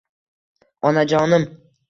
Onajonim